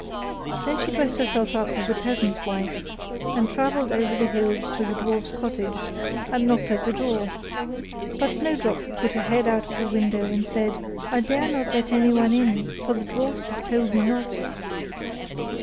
Then she dressed herself up as a peasant's wife, and travelled over the hills to the dwarfs' cottage, and knocked at the door; but Snowdrop put her head out of the window and said, 'I dare not let anyone in, for the dwarfs have told me not.